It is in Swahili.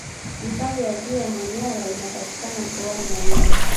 hifadhi ya ziwa manyara inapatikana mkoani manyara